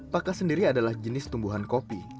pakas sendiri adalah jenis tumbuhan kopi